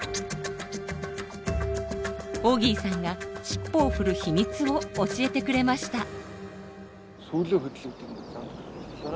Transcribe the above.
オギーさんが尻尾を振る秘密を教えてくれました。